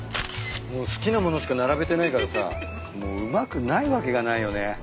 もう好きな物しか並べてないからさもううまくないわけがないよね。